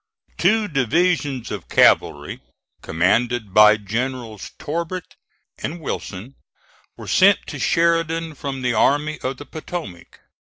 Two divisions of cavalry, commanded by Generals Torbert and Wilson, were sent to Sheridan from the Army of the Potomac.